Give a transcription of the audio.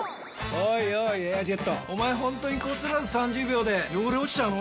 おいおい「エアジェット」おまえホントにこすらず３０秒で汚れ落ちちゃうの？